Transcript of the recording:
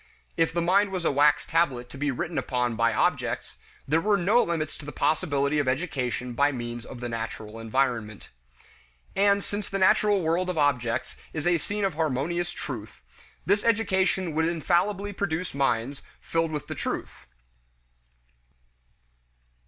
If the mind was a wax tablet to be written upon by objects, there were no limits to the possibility of education by means of the natural environment. And since the natural world of objects is a scene of harmonious "truth," this education would infallibly produce minds filled with the truth.